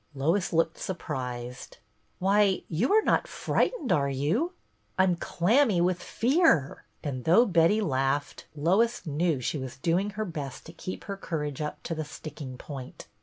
Lois looked surprised. " Why, you are not frightened, are you "" I 'm clammy with fear ;" and though Betty laughed, Lois knew she was doing her best to keep her courage up to the sticking point.